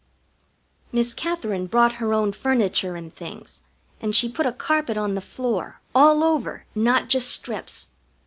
Miss Katherine brought her own furniture and things, and she put a carpet on the floor, all over, not just strips.